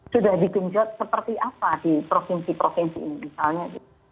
sudah digenjot seperti apa di provinsi provinsi ini misalnya